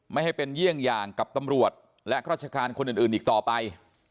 ไม่ให้เป็นเยี่ยงอย่างกับตำรวจและราชการคนอื่นอีกต่อไป